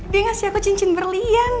dia ngasih aku cincin berlian